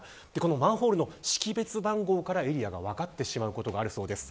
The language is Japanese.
マンホールの識別番号からエリアが分かってしまうことがあるそうです。